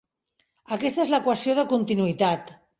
Aquesta és l'equació de continuïtat.